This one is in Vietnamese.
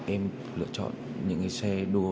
em lựa chọn những cái xe đua